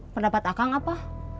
pendapat akang apa